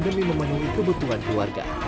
demi memenuhi kebutuhan warga